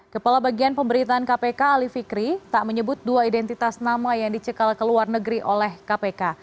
kepala bagian pemberitaan kpk ali fikri tak menyebut dua identitas nama yang dicekal ke luar negeri oleh kpk